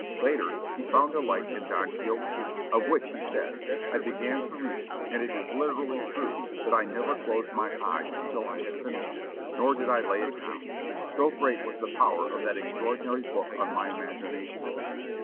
Later, he found delight in Don Quixote, of which he says, "I began to read it, and it is literally true that I never closed my eyes until I had finished it; nor did I lay it down, so great was the power of that extraordinary book on my imagination."